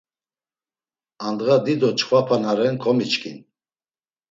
Andğa dido çxvapa na ren komiçkin.